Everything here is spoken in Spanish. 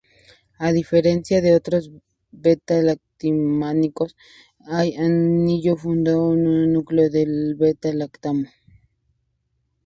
A diferencia de otros beta-lactámicos, no hay anillo fundido unido al núcleo del beta-lactamo.